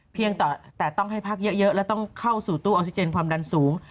แต่ต้องให้พักเยอะแล้วต้องเข้าสู่ตู้ออกซิเจนความดันสูง